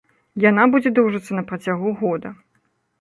Яна будзе доўжыцца на працягу года.